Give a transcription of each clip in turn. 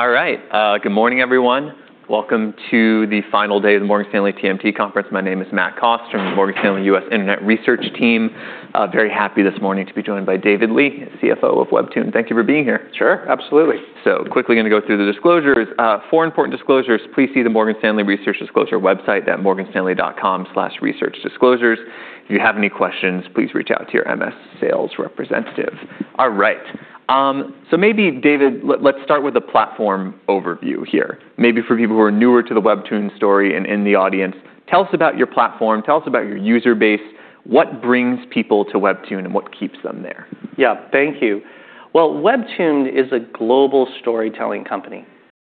All right. Good morning, everyone. Welcome to the final day of the Morgan Stanley TMT conference. My name is Matthew Cost from the Morgan Stanley U.S. Internet Research team. Very happy this morning to be joined by David Lee, CFO of WEBTOON. Thank you for being here. Sure. Absolutely. Quickly gonna go through the disclosures. For important disclosures, please see the Morgan Stanley Research Disclosure website at morganstanley.com/researchdisclosures. If you have any questions, please reach out to your MS sales representative. All right. Maybe David, let's start with the platform overview here. Maybe for people who are newer to the WEBTOON story and in the audience, tell us about your platform, tell us about your user base. What brings people to WEBTOON, and what keeps them there? Yeah. Thank you. Well, WEBTOON is a global storytelling company.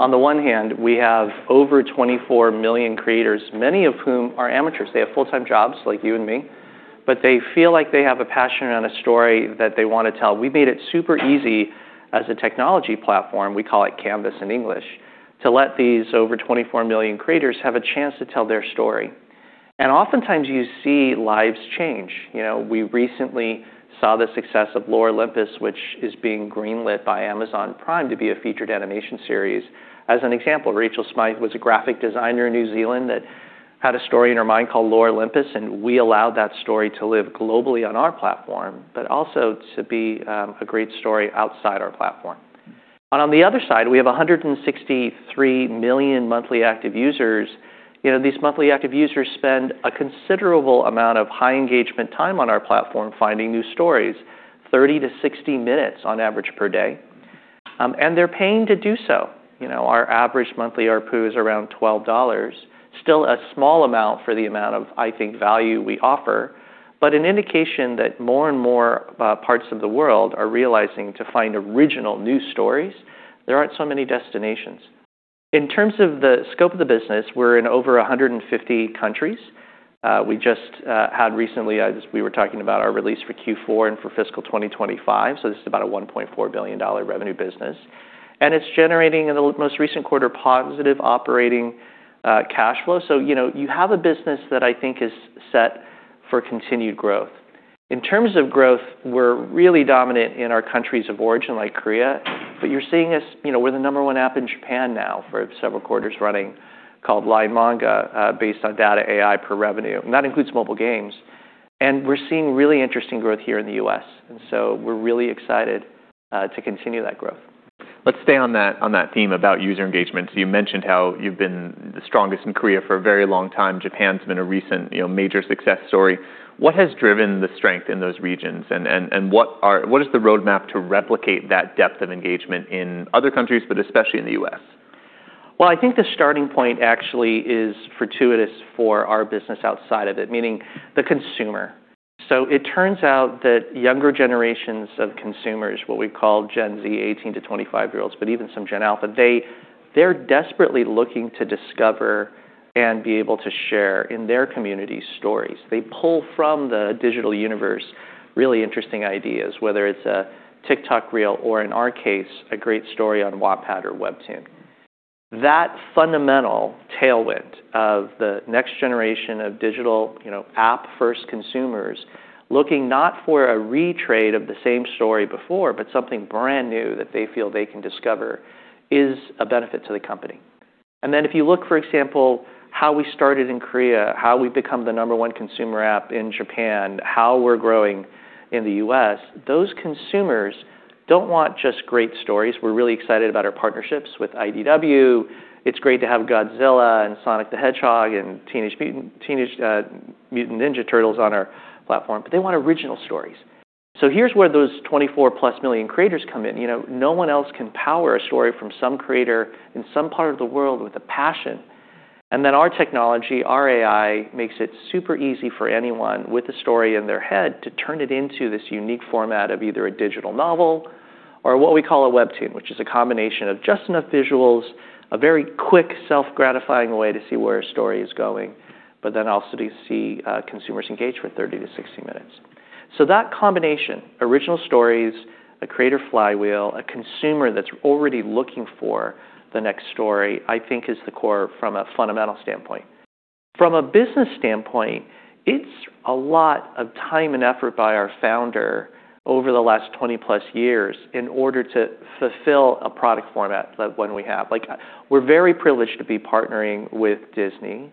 On the one hand, we have over 24 million creators, many of whom are amateurs. They have full-time jobs like you and me, but they feel like they have a passion and a story that they wanna tell. We made it super easy as a technology platform, we call it CANVAS in English, to let these over 24 million creators have a chance to tell their story. Oftentimes you see lives change. You know, we recently saw the success of Lore Olympus, which is being greenlit by Amazon Prime to be a featured animation series. As an example, Rachel Smythe was a graphic designer in New Zealand that had a story in her mind called Lore Olympus. We allowed that story to live globally on our platform, but also to be a great story outside our platform. On the other side, we have 163 million monthly active users. You know, these monthly active users spend a considerable amount of high engagement time on our platform finding new stories, 30-60 minutes on average per day, and they're paying to do so. You know, our average monthly ARPU is around $12. Still a small amount for the amount of, I think, value we offer, but an indication that more and more parts of the world are realizing to find original new stories, there aren't so many destinations. In terms of the scope of the business, we're in over 150 countries. We just had recently as we were talking about our release for Q4 and for fiscal 2025, this is about a $1.4 billion revenue business. It's generating in the most recent quarter positive operating cash flow. You know, you have a business that I think is set for continued growth. In terms of growth, we're really dominant in our countries of origin, like Korea, but you're seeing us, you know, we're the number one app in Japan now for several quarters running, called LINE Manga, based on data.ai per revenue, and that includes mobile games. We're seeing really interesting growth here in the U.S., and so we're really excited to continue that growth. Let's stay on that theme about user engagement. You mentioned how you've been the strongest in Korea for a very long time. Japan's been a recent, you know, major success story. What has driven the strength in those regions? What is the roadmap to replicate that depth of engagement in other countries, but especially in the U.S.? I think the starting point actually is fortuitous for our business outside of it, meaning the consumer. It turns out that younger generations of consumers, what we call Gen Z, 18-25-year-olds, but even some Gen Alpha, they're desperately looking to discover and be able to share in their community stories. They pull from the digital universe really interesting ideas, whether it's a TikTok reel or, in our case, a great story on Wattpad or WEBTOON. That fundamental tailwind of the next generation of digital, you know, app first consumers looking not for a retrade of the same story before, but something brand new that they feel they can discover, is a benefit to the company. If you look, for example, how we started in Korea, how we've become the number 1 consumer app in Japan, how we're growing in the U.S., those consumers don't want just great stories. We're really excited about our partnerships with IDW. It's great to have Godzilla and Sonic the Hedgehog and Teenage Mutant Ninja Turtles on our platform. They want original stories. Here's where those 24+ million creators come in. You know, no one else can power a story from some creator in some part of the world with a passion, and then our technology, our AI, makes it super easy for anyone with a story in their head to turn it into this unique format of either a digital novel or what we call a WEBTOON, which is a combination of just enough visuals, a very quick self-gratifying way to see where a story is going, but then also to see consumers engage for 30-60 minutes. That combination, original stories, a creator flywheel, a consumer that's already looking for the next story, I think is the core from a fundamental standpoint. From a business standpoint, it's a lot of time and effort by our founder over the last 20+ years in order to fulfill a product format like the one we have. Like, we're very privileged to be partnering with Disney.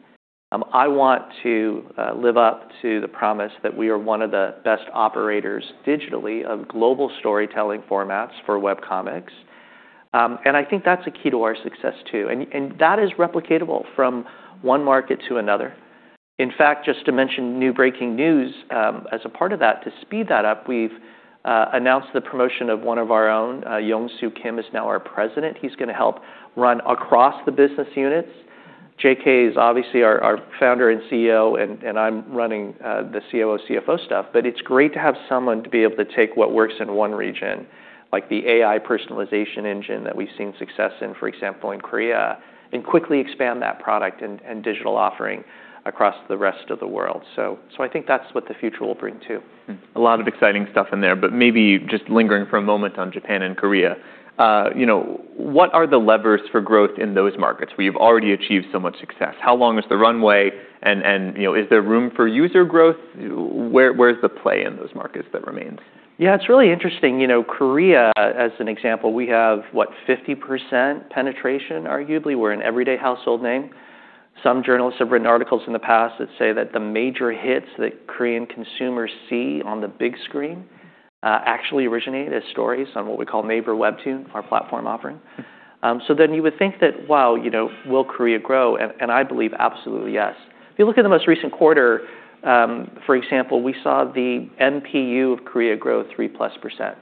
I want to live up to the promise that we are one of the best operators digitally of global storytelling formats for webcomics, and I think that's a key to our success too. That is replicatable from one market to another. In fact, just to mention new breaking news, as a part of that, to speed that up, we've announced the promotion of one of our own. Yongsoo Kim is now our President. He's gonna help run across the business units. JK is obviously our founder and CEO, and I'm running the COO, CFO stuff, but it's great to have someone to be able to take what works in one region, like the AI personalization engine that we've seen success in, for example, in Korea, and quickly expand that product and digital offering across the rest of the world. I think that's what the future will bring too. A lot of exciting stuff in there. Maybe just lingering for a moment on Japan and Korea. You know, what are the levers for growth in those markets where you've already achieved so much success? How long is the runway? You know, is there room for user growth? Where's the play in those markets that remains? Yeah, it's really interesting. You know, Korea, as an example, we have, what, 50% penetration, arguably. We're an everyday household name. Some journalists have written articles in the past that say that the major hits that Korean consumers see on the big screen, actually originated as stories on what we call Naver Webtoon, our platform offering. You would think that, wow, you know, will Korea grow? And I believe absolutely yes. If you look at the most recent quarter, for example, we saw the MPU of Korea grow 3%+.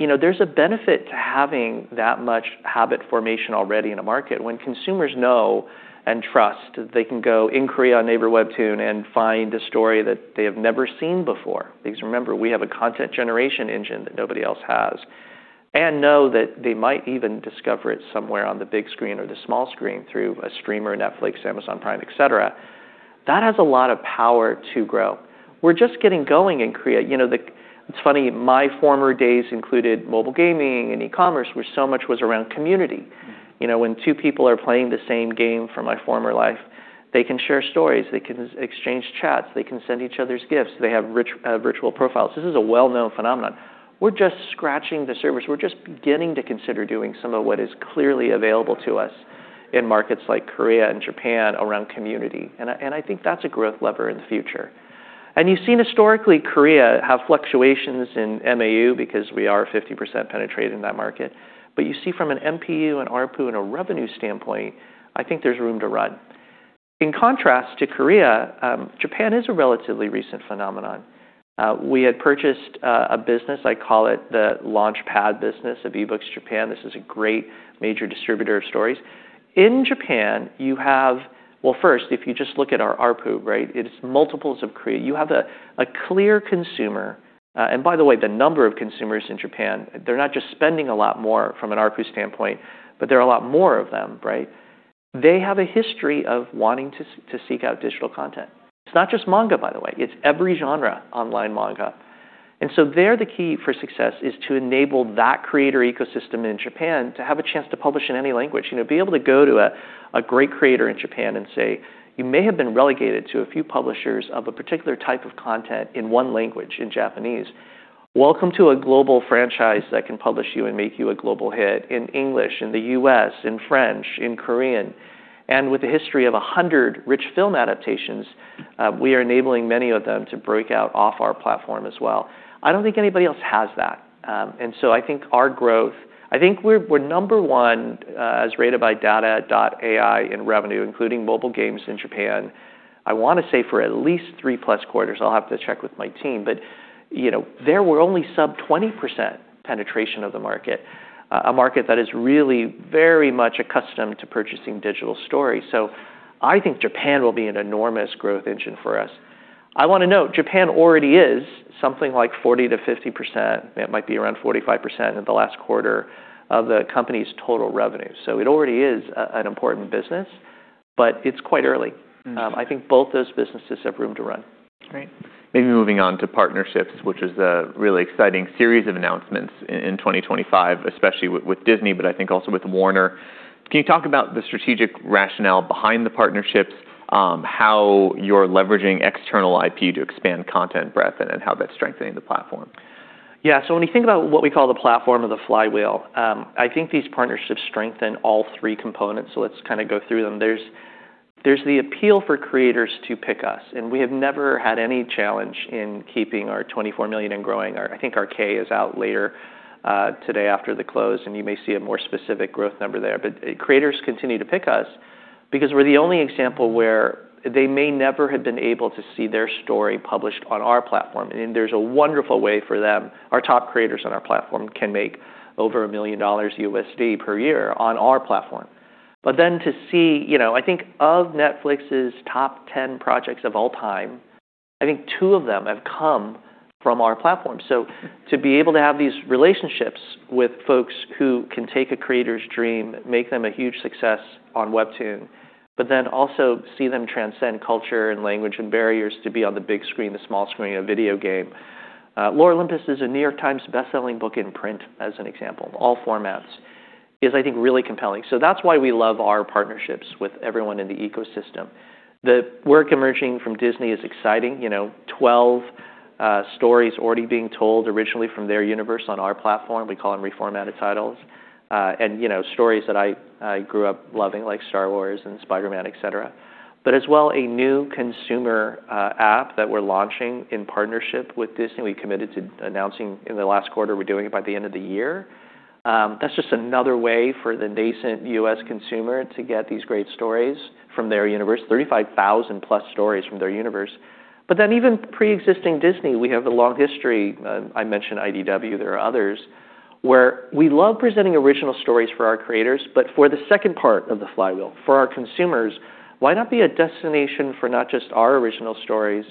You know, there's a benefit to having that much habit formation already in a market when consumers know and trust that they can go in Korea on Naver Webtoon and find a story that they have never seen before, because remember, we have a content generation engine that nobody else has, and know that they might even discover it somewhere on the big screen or the small screen through a streamer, Netflix, Amazon Prime, et cetera. That has a lot of power to grow. We're just getting going in Korea. You know, it's funny, my former days included mobile gaming and e-commerce, where so much was around community. You know, when two people are playing the same game from my former life, they can share stories, they can exchange chats, they can send each other gifts, they have rich virtual profiles. This is a well-known phenomenon. We're just scratching the surface. We're just beginning to consider doing some of what is clearly available to us in markets like Korea and Japan around community, I think that's a growth lever in the future. You've seen historically Korea have fluctuations in MAU because we are 50% penetrated in that market. You see from an MPU, an ARPU, and a revenue standpoint, I think there's room to run. In contrast to Korea, Japan is a relatively recent phenomenon. We had purchased business, I call it the launch pad business of eBookJapan. This is a great major distributor of stories. In Japan, Well, first, if you just look at our ARPU, right, it's multiples of Korea. You have a clear consumer, and by the way, the number of consumers in Japan, they're not just spending a lot more from an ARPU standpoint, but there are a lot more of them, right? They have a history of wanting to seek out digital content. It's not just manga, by the way. It's every genre, online manga. There the key for success is to enable that creator ecosystem in Japan to have a chance to publish in any language. You know, be able to go to a great creator in Japan and say, "You may have been relegated to a few publishers of a particular type of content in one language, in Japanese. Welcome to a global franchise that can publish you and make you a global hit in English, in the U.S., in French, in Korean. With a history of 100 rich film adaptations, we are enabling many of them to break out off our platform as well. I don't think anybody else has that. I think our growth. I think we're number one, as rated by data.ai in revenue, including mobile games in Japan, I wanna say for at least 3+ quarters. I'll have to check with my team. You know, there we're only sub 20% penetration of the market, a market that is really very much accustomed to purchasing digital stories. I think Japan will be an enormous growth engine for us. I wanna note, Japan already is something like 40%-50%, it might be around 45% in the last quarter, of the company's total revenue. It already is an important business, it's quite early. I think both those businesses have room to run. Great. Maybe moving on to partnerships, which is a really exciting series of announcements in 2025, especially with Disney, I think also with Warner. Can you talk about the strategic rationale behind the partnerships, how you're leveraging external IP to expand content breadth and how that's strengthening the platform? When you think about what we call the platform or the flywheel, I think these partnerships strengthen all three components, so let's kinda go through them. There's the appeal for creators to pick us, and we have never had any challenge in keeping our 24 million and growing. I think our K is out later today after the close, and you may see a more specific growth number there. Creators continue to pick us because we're the only example where they may never have been able to see their story published on our platform, and there's a wonderful way for them. Our top creators on our platform can make over $1 million per year on our platform. To see, you know, I think of Netflix's top 10 projects of all time, I think two of them have come from our platform. To be able to have these relationships with folks who can take a creator's dream, make them a huge success on WEBTOON, but then also see them transcend culture and language and barriers to be on the big screen, the small screen, a video game. Lore Olympus is a New York Times bestselling book in print, as an example, all formats, is, I think, really compelling. That's why we love our partnerships with everyone in the ecosystem. The work emerging from Disney is exciting. You know, 12 stories already being told originally from their universe on our platform, we call them reformatted titles. You know, stories that I grew up loving, like Star Wars and Spider-Man, et cetera. As well, a new consumer app that we're launching in partnership with Disney, we committed to announcing in the last quarter, we're doing it by the end of the year. That's just another way for the nascent U.S. consumer to get these great stories from their universe, 35,000+ stories from their universe. Even pre-existing Disney, we have a long history. I mentioned IDW, there are others, where we love presenting original stories for our creators, but for the second part of the flywheel, for our consumers, why not be a destination for not just our original stories,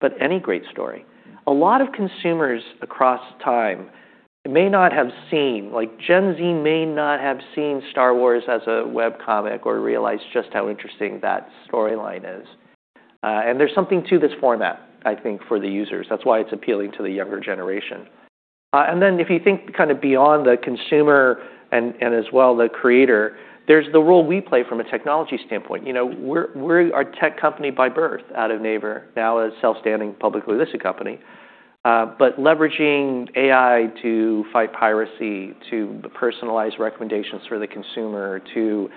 but any great story? A lot of consumers across time may not have seen, like Gen Z may not have seen Star Wars as a webcomic or realize just how interesting that storyline is. There's something to this format, I think, for the users. That's why it's appealing to the younger generation. Then if you think kinda beyond the consumer and as well the creator, there's the role we play from a technology standpoint. You know, we're a tech company by birth out of Naver, now a self-standing publicly listed company. Leveraging AI to fight piracy, to personalize recommendations for the consumer, to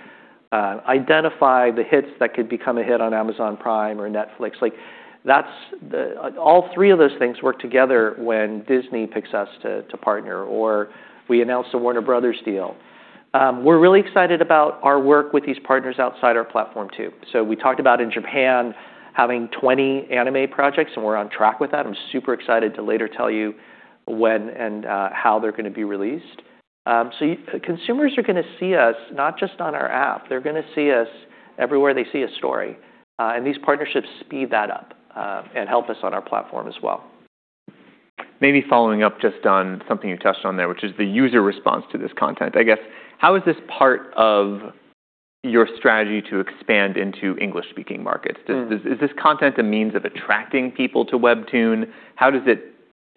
identify the hits that could become a hit on Amazon Prime or Netflix. Like, that's the. All three of those things work together when Disney picks us to partner or we announce the Warner Bros. deal. We're really excited about our work with these partners outside our platform too. We talked about in Japan having 20 anime projects, and we're on track with that. I'm super excited to later tell you when and how they're gonna be released. Consumers are gonna see us not just on our app, they're gonna see us everywhere they see a story. And these partnerships speed that up and help us on our platform as well. Maybe following up just on something you touched on there, which is the user response to this content. I guess, how is this part of your strategy to expand into English-speaking markets? Is this content a means of attracting people to WEBTOON? How does it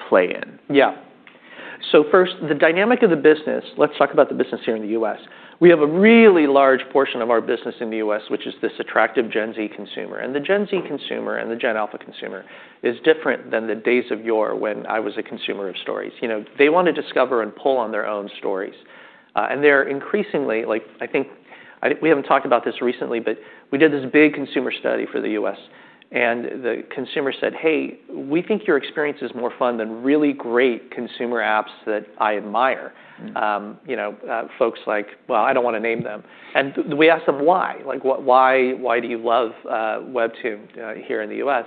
play in? First, the dynamic of the business. Let's talk about the business here in the U.S. We have a really large portion of our business in the U.S., which is this attractive Gen Z consumer. The Gen Z consumer and the Gen Alpha consumer is different than the days of yore when I was a consumer of stories. You know, they wanna discover and pull on their own stories. They're increasingly Like, I think we haven't talked about this recently, but we did this big consumer study for the U.S., and the consumer said, "Hey, we think your experience is more fun than really great consumer apps that I admire. you know, folks like... Well, I don't wanna name them. We asked them why. Like, "Why, why do you love WEBTOON here in the U.S.?"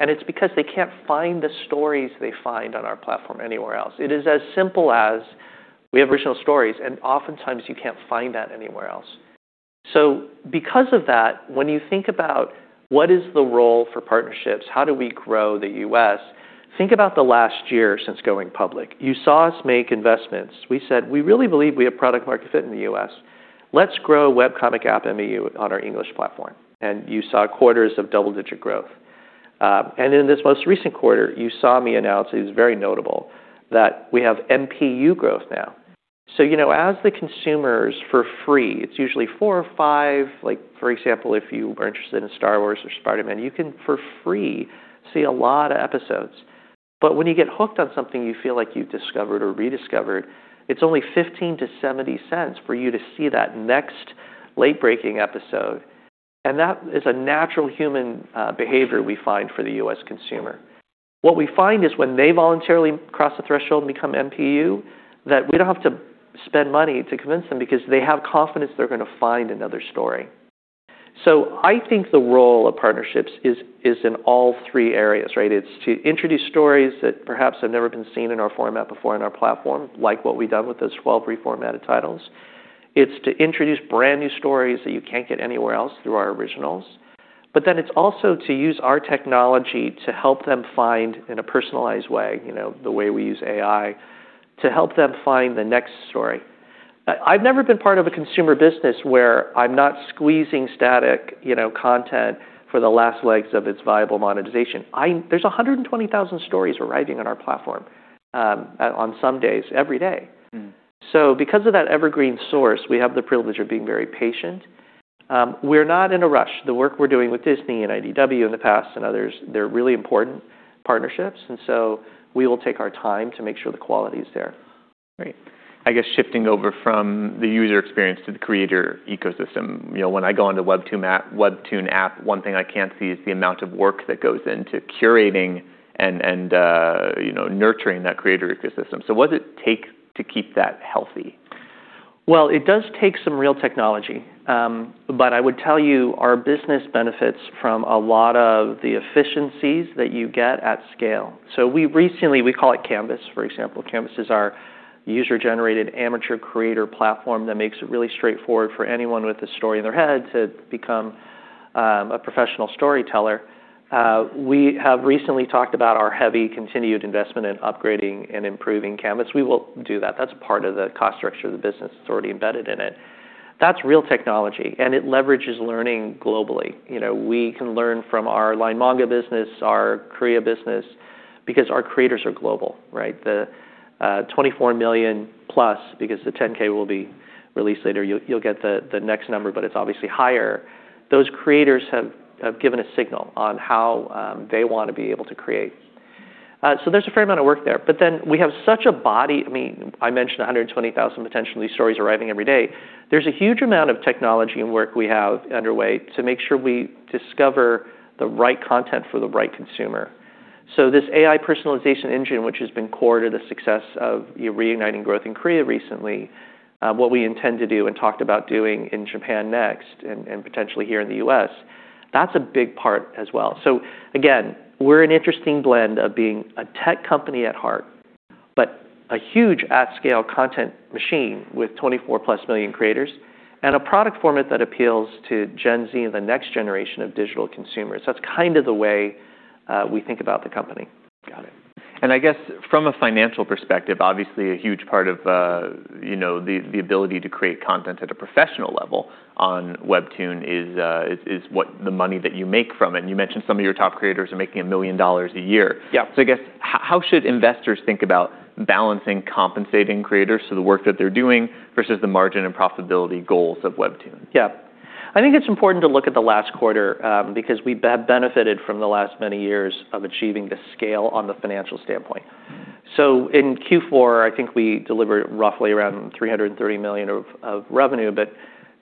It's because they can't find the stories they find on our platform anywhere else. It is as simple as we have original stories, and oftentimes you can't find that anywhere else. Because of that, when you think about what is the role for partnerships, how do we grow the U.S., think about the last year since going public. You saw us make investments. We said, "We really believe we have product market fit in the U.S. Let's grow web comic app MEU on our English platform." You saw quarters of double-digit growth. In this most recent quarter, you saw me announce, it was very notable, that we have MPU growth now. you know, as the consumers for free, it's usually four or five. Like, for example, if you were interested in Star Wars or Spider-Man, you can, for free, see a lot of episodes. When you get hooked on something you feel like you've discovered or rediscovered, it's only $0.15-$0.70 for you to see that next late-breaking episode, and that is a natural human behavior we find for the U.S. consumer. What we find is when they voluntarily cross the threshold and become MPU, that we don't have to spend money to convince them, because they have confidence they're gonna find another story. I think the role of partnerships is in all three areas, right? It's to introduce stories that perhaps have never been seen in our format before in our platform, like what we've done with those 12 reformatted titles. It's to introduce brand-new stories that you can't get anywhere else through our originals. It's also to use our technology to help them find, in a personalized way, you know, the way we use AI, to help them find the next story. I've never been part of a consumer business where I'm not squeezing static, you know, content for the last legs of its viable monetization. There's 120,000 stories arriving on our platform on some days every day. Because of that evergreen source, we have the privilege of being very patient. We're not in a rush. The work we're doing with Disney and IDW in the past and others, they're really important partnerships, and so we will take our time to make sure the quality is there. Great. I guess shifting over from the user experience to the creator ecosystem. You know, when I go onto WEBTOON app, one thing I can see is the amount of work that goes into curating and, you know, nurturing that creator ecosystem. What does it take to keep that healthy? Well, it does take some real technology, but I would tell you our business benefits from a lot of the efficiencies that you get at scale. We call it CANVAS, for example. CANVAS is our user-generated amateur creator platform that makes it really straightforward for anyone with a story in their head to become a professional storyteller. We have recently talked about our heavy continued investment in upgrading and improving CANVAS. We will do that. That's part of the cost structure of the business. It's already embedded in it. That's real technology, and it leverages learning globally. You know, we can learn from our LINE Manga business, our Korea business, because our creators are global, right? The 24+ million, because the 10-K will be released later, you'll get the next number, but it's obviously higher. Those creators have given a signal on how they wanna be able to create. There's a fair amount of work there, but then we have such a body. I mean, I mentioned 120,000 potentially stories arriving every day. There's a huge amount of technology and work we have underway to make sure we discover the right content for the right consumer. This AI personalization engine, which has been core to the success of, you know, reuniting growth in Korea recently, what we intend to do and talked about doing in Japan next and potentially here in the U.S., that's a big part as well. Again, we're an interesting blend of being a tech company at heart, but a huge at scale content machine with 24+ million creators and a product format that appeals to Gen Z and the next generation of digital consumers. That's kind of the way we think about the company. Got it. I guess from a financial perspective, obviously a huge part of, you know, the ability to create content at a professional level on WEBTOON is what the money that you make from it. You mentioned some of your top creators are making $1 million a year. Yeah. I guess, how should investors think about balancing compensating creators for the work that they're doing versus the margin and profitability goals of WEBTOON? Yeah. I think it's important to look at the last quarter because we benefited from the last many years of achieving the scale on the financial standpoint. In Q4, I think we delivered roughly around $330 million of revenue.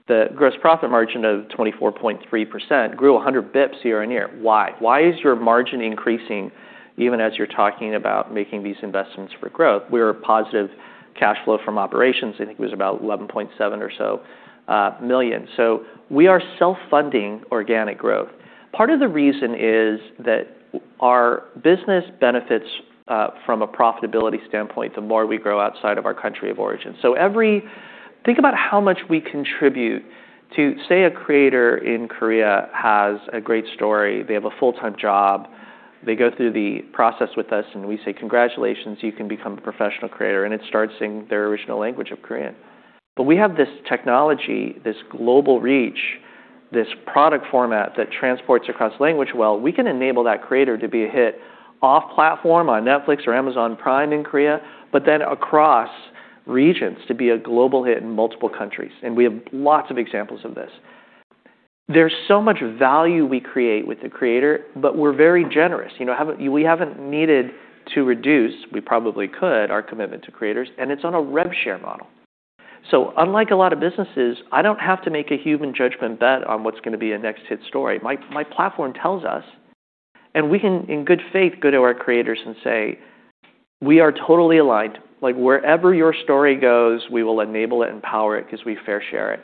The gross profit margin of 24.3% grew 100 basis points year-on-year. Why is your margin increasing even as you're talking about making these investments for growth? We're a positive cash flow from operations. I think it was about $11.7 million or so. We are self-funding organic growth. Part of the reason is that our business benefits from a profitability standpoint the more we grow outside of our country of origin. Think about how much we contribute to, say, a creator in Korea has a great story. They have a full-time job. They go through the process with us. We say, "Congratulations, you can become a professional creator," and it starts in their original language of Korean. We have this technology, this global reach, this product format that transports across language well. We can enable that creator to be a hit off-platform on Netflix or Amazon Prime in Korea, but then across regions to be a global hit in multiple countries. We have lots of examples of this. There's so much value we create with the creator, but we're very generous. You know, We haven't needed to reduce, we probably could, our commitment to creators, and it's on a rev share model. Unlike a lot of businesses, I don't have to make a human judgment bet on what's gonna be a next hit story. My platform tells us, and we can, in good faith, go to our creators and say, "We are totally aligned. Like, wherever your story goes, we will enable it and power it 'cause we fair share it."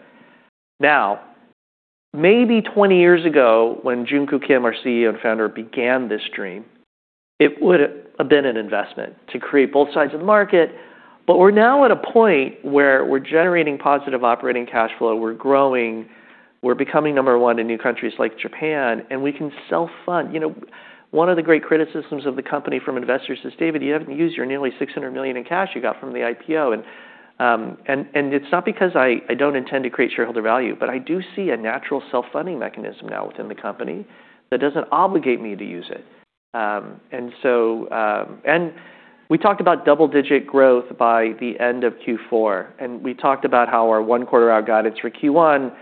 Maybe 20 years ago, when Junkoo Kim, our CEO and Founder, began this dream, it would have been an investment to create both sides of the market. We're now at a point where we're generating positive operating cash flow, we're growing, we're becoming number 1 in new countries like Japan, and we can self-fund. You know, one of the great criticisms of the company from investors is, "David, you haven't used your nearly $600 million in cash you got from the IPO." It's not because I don't intend to create shareholder value, but I do see a natural self-funding mechanism now within the company that doesn't obligate me to use it. So we talked about double-digit growth by the end of Q4, and we talked about how our one quarter out guidance for Q1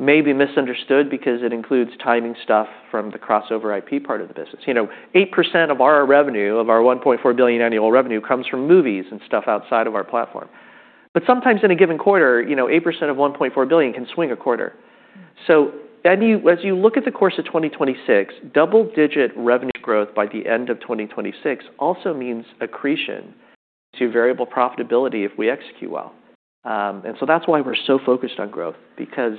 may be misunderstood because it includes timing stuff from the crossover IP part of the business. You know, 8% of our revenue, of our $1.4 billion annual revenue comes from movies and stuff outside of our platform. Sometimes in a given quarter, you know, 8% of $1.4 billion can swing a quarter. As you look at the course of 2026, double-digit revenue growth by the end of 2026 also means accretion to variable profitability if we execute well. That's why we're so focused on growth because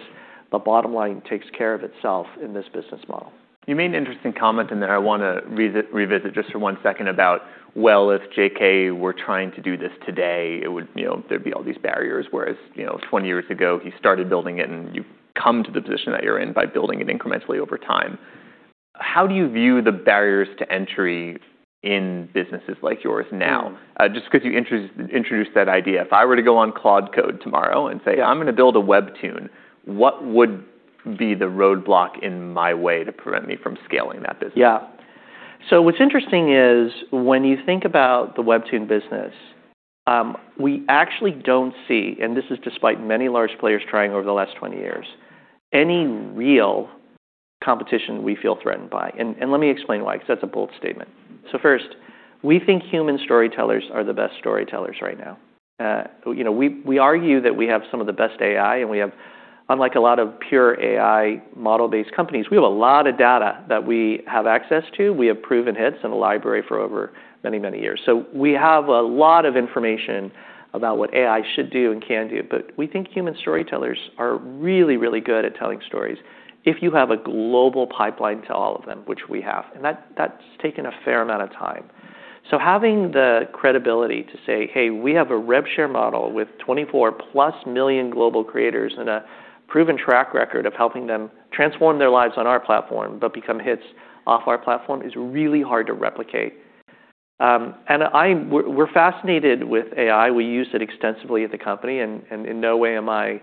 the bottom line takes care of itself in this business model. You made an interesting comment in there I wanna revisit just for one second about, well, if JK were trying to do this today, you know, there'd be all these barriers, whereas, you know, 20 years ago, he started building it and you've come to the position that you're in by building it incrementally over time. How do you view the barriers to entry in businesses like yours now? just 'cause you introduced that idea. If I were to go on CloudCode tomorrow and say, "I'm gonna build a WEBTOON," what would be the roadblock in my way to prevent me from scaling that business? Yeah. What's interesting is when you think about the WEBTOON business, we actually don't see, and this is despite many large players trying over the last 20 years, any real competition we feel threatened by. Let me explain why, 'cause that's a bold statement. First, we think human storytellers are the best storytellers right now. You know, we argue that we have some of the best AI and unlike a lot of pure AI model-based companies, we have a lot of data that we have access to. We have proven hits in the library for over many, many years. We have a lot of information about what AI should do and can do, but we think human storytellers are really, really good at telling stories if you have a global pipeline to all of them, which we have. That, that's taken a fair amount of time. Having the credibility to say, "Hey, we have a rev share model with 24+ million global creators and a proven track record of helping them transform their lives on our platform, but become hits off our platform," is really hard to replicate. We're fascinated with AI. We use it extensively at the company, in no way am I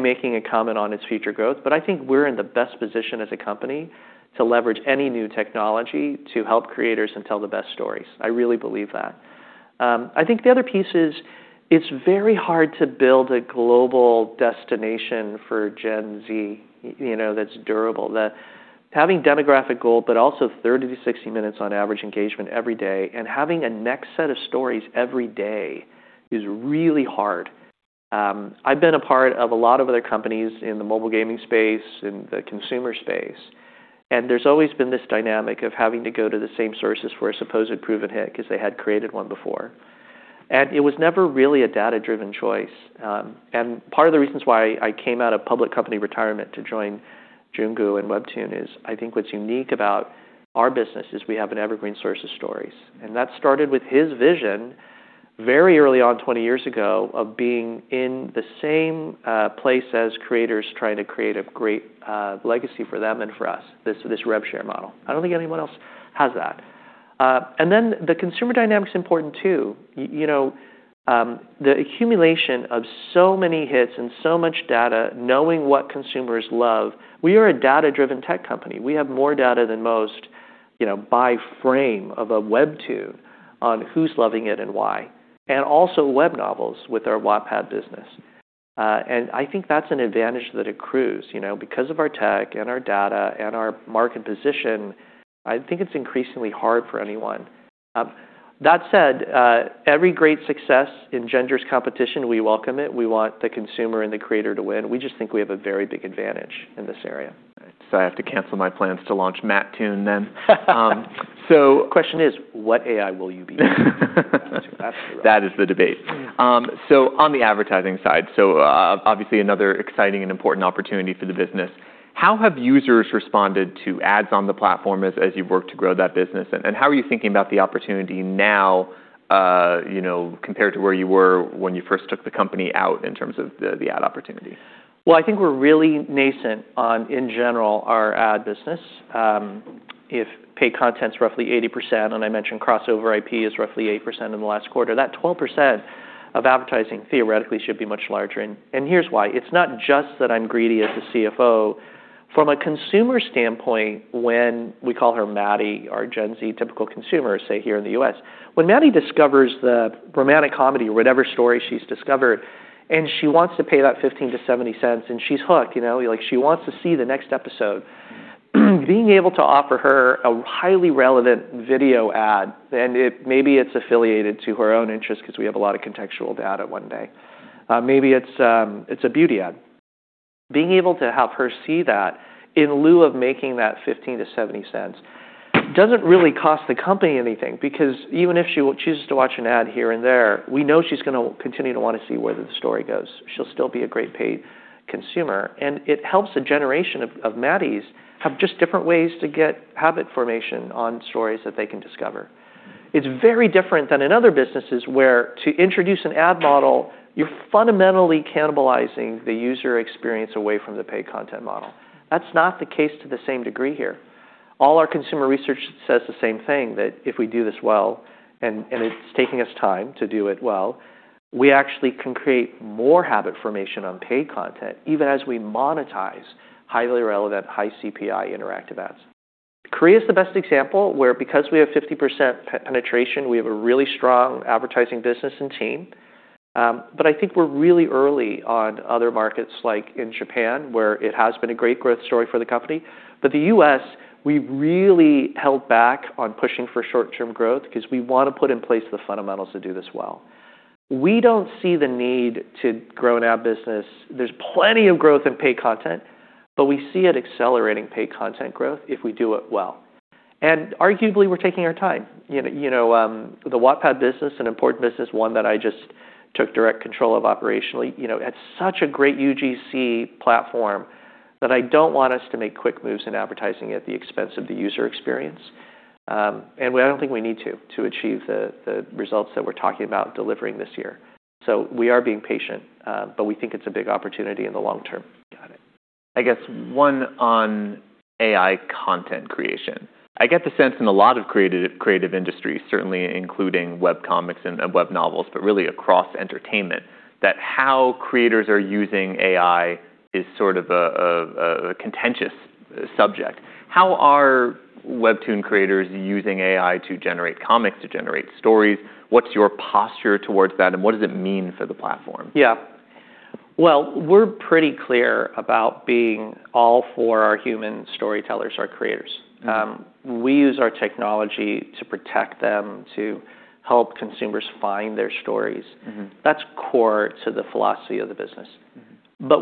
making a comment on its future growth, I think we're in the best position as a company to leverage any new technology to help creators and tell the best stories. I really believe that. I think the other piece is it's very hard to build a global destination for Gen Z, you know, that's durable. Having demographic goal, but also 30-60 minutes on average engagement every day and having a next set of stories every day is really hard. I've been a part of a lot of other companies in the mobile gaming space, in the consumer space, and there's always been this dynamic of having to go to the same sources for a supposed proven hit 'cause they had created one before. It was never really a data-driven choice. Part of the reasons why I came out of public company retirement to join Junkoo and WEBTOON is I think what's unique about our business is we have an evergreen source of stories. That started with his vision very early on 20 years ago of being in the same place as creators trying to create a great legacy for them and for us, this rev share model. I don't think anyone else has that. Then the consumer dynamic's important too. You know, the accumulation of so many hits and so much data, knowing what consumers love. We are a data-driven tech company. We have more data than most. You know, by frame of a WEBTOON on who's loving it and why, also web novels with our Wattpad business. I think that's an advantage that accrues, you know. Because of our tech and our data and our market position, I think it's increasingly hard for anyone. That said, every great success engenders competition. We welcome it. We want the consumer and the creator to win. We just think we have a very big advantage in this area. I have to cancel my plans to launch Matt Toon then. Question is, what AI will you be? Absolutely. That is the debate. On the advertising side, obviously another exciting and important opportunity for the business. How have users responded to ads on the platform as you've worked to grow that business? How are you thinking about the opportunity now, you know, compared to where you were when you first took the company out in terms of the ad opportunity? Well, I think we're really nascent on, in general, our ad business. If paid content's roughly 80%, and I mentioned crossover IP is roughly 8% in the last quarter, that 12% of advertising theoretically should be much larger, and here's why. It's not just that I'm greedy as the CFO. From a consumer standpoint, we call her Maddie, our Gen Z typical consumer, say, here in the U.S. Maddie discovers the romantic comedy or whatever story she's discovered, and she wants to pay that $0.15-$0.70, and she's hooked, you know. Like, she wants to see the next episode, being able to offer her a highly relevant video ad, and maybe it's affiliated to her own interest because we have a lot of contextual data one day. Maybe it's a beauty ad. Being able to help her see that in lieu of making that $0.15-$0.70 doesn't really cost the company anything because even if she chooses to watch an ad here and there, we know she's going to wanna continue to see where the story goes. She'll still be a great paid consumer. It helps a generation of Maddies have just different ways to get habit formation on stories that they can discover. It's very different than in other businesses where to introduce an ad model, you're fundamentally cannibalizing the user experience away from the paid content model. That's not the case to the same degree here. All our consumer research says the same thing, that if we do this well, and it's taking us time to do it well, we actually can create more habit formation on paid content, even as we monetize highly relevant, high CPI interactive ads. Korea is the best example where because we have 50% penetration, we have a really strong advertising business and team. I think we're really early on other markets like in Japan, where it has been a great growth story for the company. The U.S., we've really held back on pushing for short-term growth 'cause we wanna put in place the fundamentals to do this well. We don't see the need to grow an ad business. There's plenty of growth in paid content, but we see it accelerating paid content growth if we do it well. Arguably, we're taking our time. You know, the Wattpad business, an important business, one that I just took direct control of operationally, you know, it's such a great UGC platform that I don't want us to make quick moves in advertising at the expense of the user experience. I don't think we need to achieve the results that we're talking about delivering this year. We are being patient, but we think it's a big opportunity in the long term. Got it. I guess one on AI content creation. I get the sense in a lot of creative industries, certainly including webcomics and web novels, but really across entertainment, that how creators are using AI is sort of a contentious subject. How are WEBTOON creators using AI to generate comics, to generate stories? What's your posture towards that, and what does it mean for the platform? Yeah. Well, we're pretty clear about being all for our human storytellers, our creators. We use our technology to protect them, to help consumers find their stories. That's core to the philosophy of the business.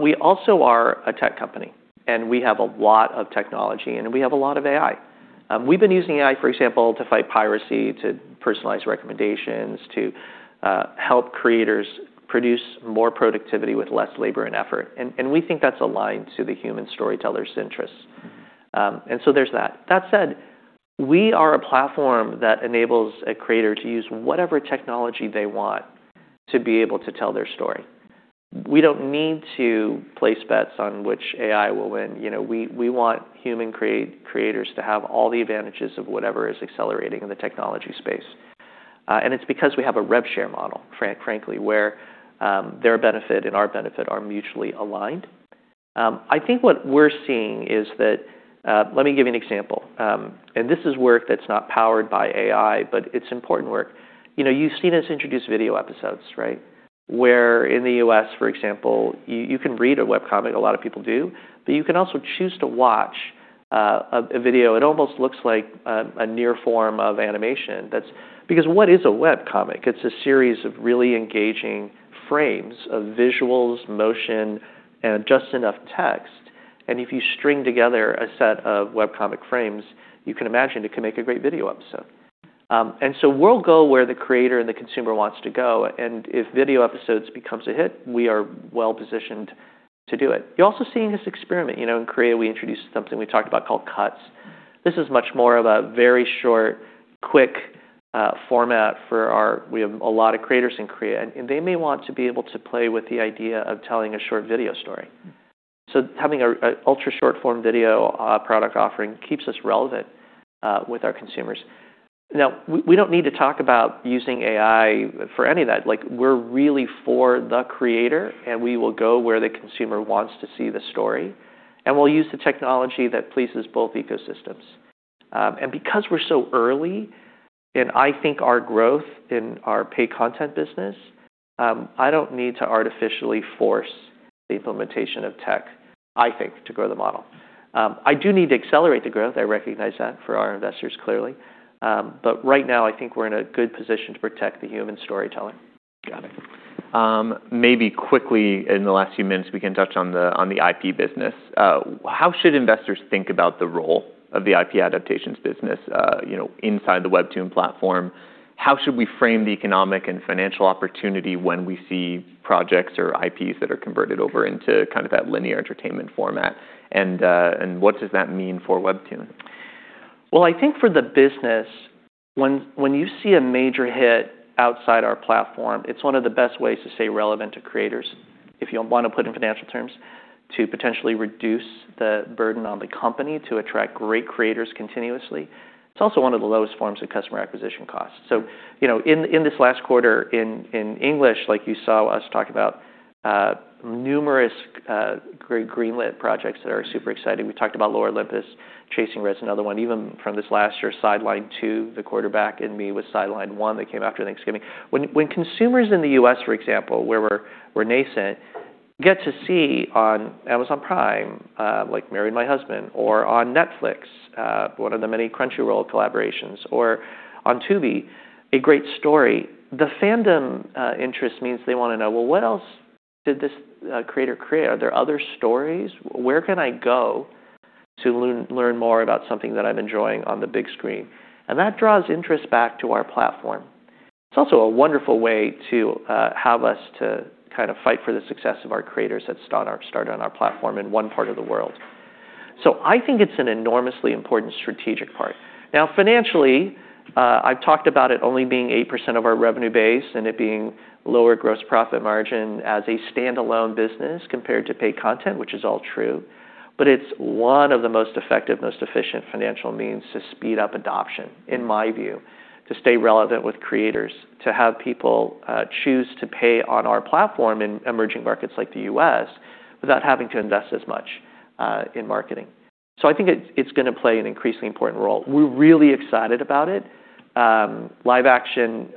We also are a tech company, and we have a lot of technology, and we have a lot of AI. We've been using AI, for example, to fight piracy, to personalize recommendations, to help creators produce more productivity with less labor and effort. We think that's aligned to the human storyteller's interests. There's that. That said, we are a platform that enables a creator to use whatever technology they want to be able to tell their story. We don't need to place bets on which AI will win. You know, we want human creators to have all the advantages of whatever is accelerating in the technology space. It's because we have a rev share model, frankly, where their benefit and our benefit are mutually aligned. I think what we're seeing is that. Let me give you an example. This is work that's not powered by AI, but it's important work. You know, you've seen us introduce video episodes, right? Where in the U.S., for example, you can read a webcomic. A lot of people do. You can also choose to watch a video. It almost looks like a near form of animation that's... Because what is a webcomic? It's a series of really engaging frames of visuals, motion, and just enough text. If you string together a set of webcomic frames, you can imagine it can make a great video episode. We'll go where the creator and the consumer wants to go, and if video episodes becomes a hit, we are well-positioned to do it. You're also seeing us experiment. You know, in Korea, we introduced something we talked about called Cuts. This is much more of a very short, quick format. We have a lot of creators in Korea, and they may want to be able to play with the idea of telling a short video story. Having a ultra short-form video product offering keeps us relevant with our consumers. Now, we don't need to talk about using AI for any of that. Like, we're really for the creator, and we will go where the consumer wants to see the story, and we'll use the technology that pleases both ecosystems. Because we're so early, and I think our growth in our paid content business, I don't need to artificially force the implementation of tech, I think, to grow the model. I do need to accelerate the growth, I recognize that, for our investors, clearly. Right now, I think we're in a good position to protect the human storytelling. Got it. Maybe quickly in the last few minutes, we can touch on the, on the IP business. How should investors think about the role of the IP adaptations business, you know, inside the WEBTOON platform? How should we frame the economic and financial opportunity when we see projects or IPs that are converted over into kind of that linear entertainment format? What does that mean for WEBTOON? Well, I think for the business, when you see a major hit outside our platform, it's one of the best ways to stay relevant to creators, if you wanna put in financial terms, to potentially reduce the burden on the company to attract great creators continuously. It's also one of the lowest forms of customer acquisition costs. You know, in this last quarter in English, like you saw us talk about numerous great greenlit projects that are super exciting. We talked about Lore Olympus. Chasing Red another one. Even from this last year, Sideline Two, The Quarterback and Me was Sideline One that came after Thanksgiving. When consumers in the U.S., for example, where we're nascent, get to see on Amazon Prime, like Marry My Husband, or on Netflix, one of the many Crunchyroll collaborations, or on Tubi, a great story, the fandom interest means they wanna know, well, what else did this creator create? Are there other stories? Where can I go to learn more about something that I'm enjoying on the big screen? That draws interest back to our platform. It's also a wonderful way to have us to kind of fight for the success of our creators that started on our platform in one part of the world. I think it's an enormously important strategic part. Financially, I've talked about it only being 8% of our revenue base and it being lower gross profit margin as a standalone business compared to paid content, which is all true. It's one of the most effective, most efficient financial means to speed up adoption, in my view, to stay relevant with creators, to have people choose to pay on our platform in emerging markets like the U.S. without having to invest as much in marketing. I think it's gonna play an increasingly important role. We're really excited about it. Live action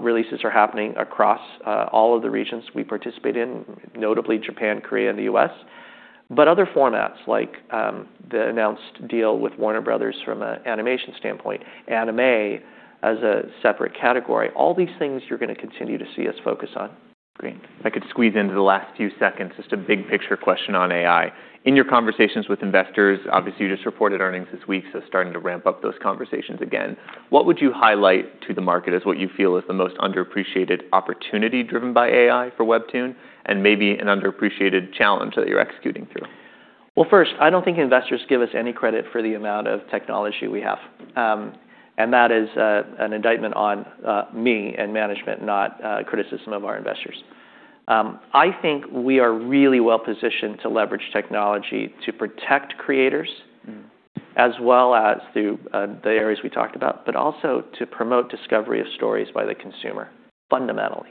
releases are happening across all of the regions we participate in, notably Japan, Korea, and the U.S.. Other formats like, the announced deal with Warner Bros. from an animation standpoint, anime as a separate category, all these things you're gonna continue to see us focus on. Great. If I could squeeze into the last few seconds, just a big picture question on AI. In your conversations with investors, obviously you just reported earnings this week, so starting to ramp up those conversations again, what would you highlight to the market as what you feel is the most underappreciated opportunity driven by AI for WEBTOON, and maybe an underappreciated challenge that you're executing through? Well, first, I don't think investors give us any credit for the amount of technology we have. That is an indictment on me and management, not criticism of our investors. I think we are really well positioned to leverage technology to protect creators... as well as through, the areas we talked about, but also to promote discovery of stories by the consumer, fundamentally.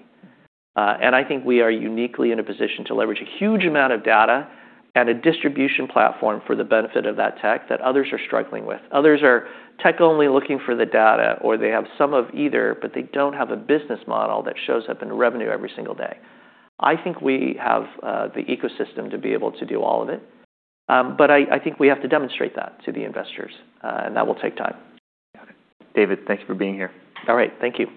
I think we are uniquely in a position to leverage a huge amount of data and a distribution platform for the benefit of that tech that others are struggling with. Others are tech only looking for the data, or they have some of either, but they don't have a business model that shows up in revenue every single day. I think we have the ecosystem to be able to do all of it. I think we have to demonstrate that to the investors, and that will take time. Got it. David, thank you for being here. All right. Thank you.